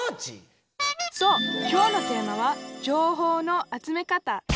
そうきょうのテーマは「情報の集め方」。